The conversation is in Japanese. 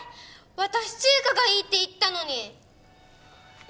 私中華がいいって言ったのに。